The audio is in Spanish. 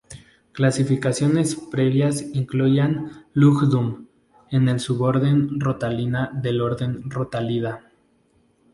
Clasificaciones previas incluían "Lugdunum" en el suborden Rotaliina del orden Rotaliida.